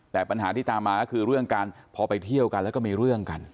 แต่ปัญหาที่ตามมาก็คือเรื่องการพอไปเที่ยวกันแล้วก็มีเรื่องกัน